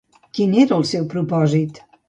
Quin era el seu propòsit?